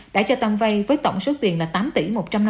đã cho tăng vay với tổng số tiền là tám tỷ một trăm năm mươi